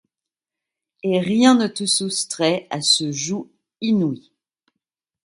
Et rien ne te soustrait à ce joug inouï.